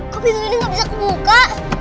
kok pintunya gak bisa kebuka